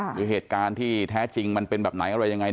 หรือเหตุการณ์ที่แท้จริงมันเป็นแบบไหนอะไรยังไง